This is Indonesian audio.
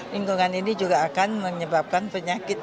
lingkungan ini juga akan menyebabkan penyakit